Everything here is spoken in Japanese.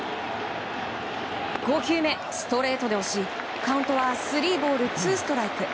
５球目、ストレートで押しカウントはスリーボールツーストライク。